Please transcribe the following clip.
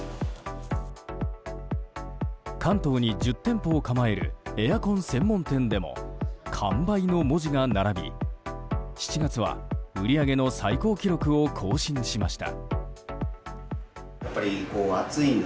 関東に１０店舗を構えるエアコン専門店でも完売の文字が並び７月は売り上げの最高記録を更新しました。